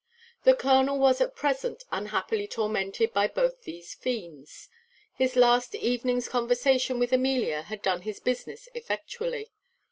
The colonel was at present unhappily tormented by both these fiends. His last evening's conversation with Amelia had done his business effectually.